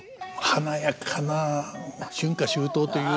華やかな「春夏秋冬」という。